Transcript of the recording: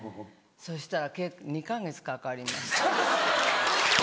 そしたら２か月かかりました。